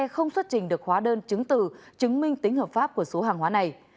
không xuất trình được hóa đơn chứng từ chứng minh tính hợp pháp của số hàng hóa này